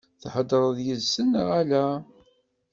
Theḍṛeḍ yid-sen neɣ ala?